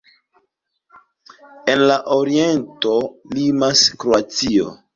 En la oriento limas Kroatio.